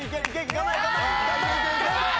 頑張れ！